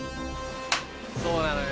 そうなのよ。